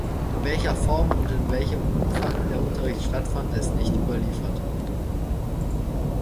In welcher Form und in welchem Umfang der Unterricht stattfand, ist nicht überliefert.